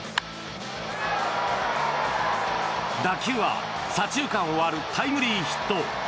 打球は左中間を割るタイムリーヒット。